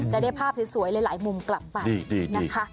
จะได้ภาพสวยหลายมุมกลับไปนะคะ